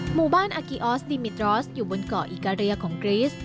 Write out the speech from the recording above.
หมู่บ้านอากิออสดิมิตรรอสอยู่บนเกาะอิกาเรียของกรีส